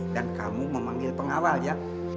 dan kamu memanggil pengawal ya